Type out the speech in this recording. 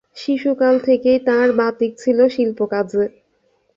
শিশুকাল থেকেই তাঁর বাতিক ছিল শিল্পকাজে।